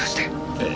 ええ。